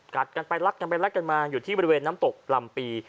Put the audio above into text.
กันไปลักกันไปลักกันมาอยู่ที่บริเวณน้ำตกลำปี